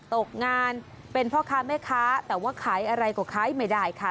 ตกงานเป็นพ่อค้าแม่ค้าแต่ว่าขายอะไรก็ขายไม่ได้ค่ะ